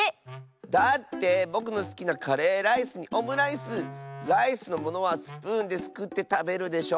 だってぼくのすきなカレーライスにオムライスライスのものはスプーンですくってたべるでしょ。